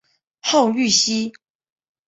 号玉溪。